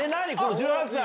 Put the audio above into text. １８歳。